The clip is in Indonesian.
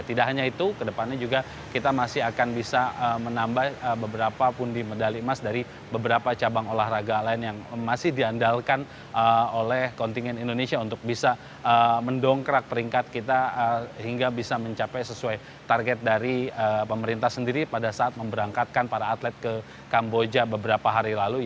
tidak hanya itu ke depannya juga kita masih akan bisa menambah beberapa pundi medali emas dari beberapa cabang olahraga lain yang masih diandalkan oleh kontingen indonesia untuk bisa mendongkrak peringkat kita hingga bisa mencapai sesuai target dari pemerintah sendiri pada saat memberangkatkan para atlet ke kamboja beberapa hari lalu